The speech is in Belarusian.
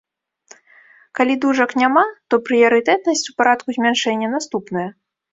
Калі дужак няма, то прыярытэтнасць, у парадку змяншэння, наступная.